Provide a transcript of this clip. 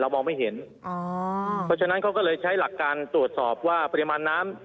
มองไม่เห็นอ๋อเพราะฉะนั้นเขาก็เลยใช้หลักการตรวจสอบว่าปริมาณน้ำ